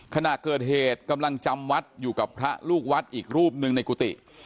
ขณะเกิดเหตุกำลังจำวัดอยู่กับพระลูกวัดอีกรูปหนึ่งในกุฏิ